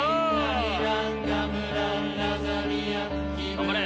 頑張れ！